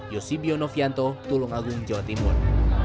yosibio novianto tulungagung jawa timur